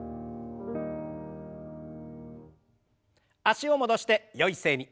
脚を戻してよい姿勢に。